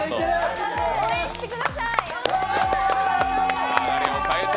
応援してください！